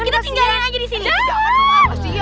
kita tinggalin aja di sini